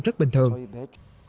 trước thời gian này